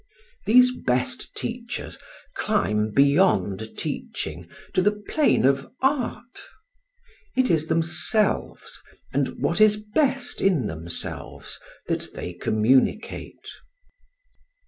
These best teachers climb beyond teaching to the plane of art; it is themselves, and what is best in themselves, that they communicate.